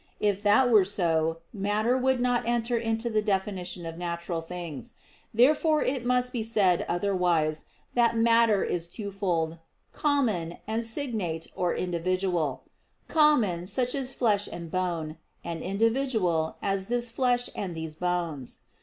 If that were so, matter would not enter into the definition of natural things. Therefore it must be said otherwise, that matter is twofold, common, and "signate" or individual; common, such as flesh and bone; and individual, as this flesh and these bones.